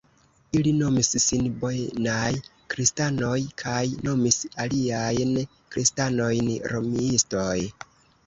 Ili nomis sin "Bonaj Kristanoj" kaj nomis aliajn kristanojn "Romiistoj".